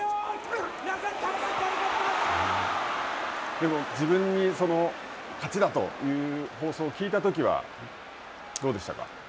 でも、自分に勝ちだという放送を聞いたときは、どうでしたか。